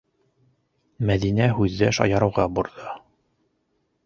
Мәҙинә һүҙҙе шаярыуға борҙо: